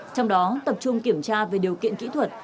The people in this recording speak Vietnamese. trong đó tập trung kiểm tra về điều kiện kỹ thuật